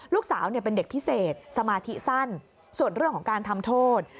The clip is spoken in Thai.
ลูกสาวเป็นเด็กพิเศษสมาธิสั้นส่วนเรื่องของการทำโทษ